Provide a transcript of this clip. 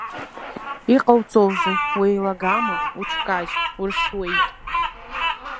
Иҟауҵозеи, уеилагама, уҽкажь, уршьуеит!